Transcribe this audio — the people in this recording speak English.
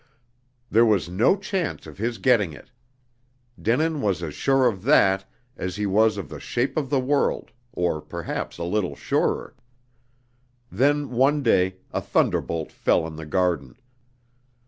There was no chance of his getting it! Denin was as sure of that, as he was of the shape of the world, or perhaps a little surer. Then, one day, a thunderbolt fell in the garden.